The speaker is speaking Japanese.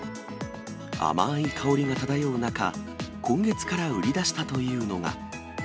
甘い香りが漂う中、今月から売り出したというのが。